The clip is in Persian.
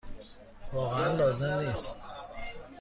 واقعا لازم نیست.